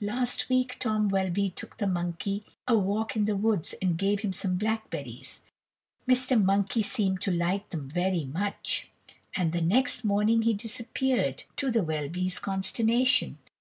Last week Tom Welby took the monkey a walk in the woods and gave him some blackberries. Mr. Monkey seemed to like them very much, and the next morning be disappeared, to the Welbys' consternation.